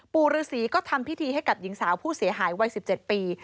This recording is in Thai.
ปู่ฤษีก็ทำพิธีให้กับหญิงสาวผู้เสียหายวัย๑๗ปี